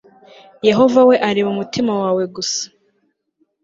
yehova we areba umutima wawe gusa